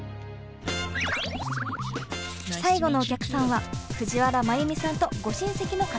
最後のお客さんは藤原まゆ美さんとご親戚の方々。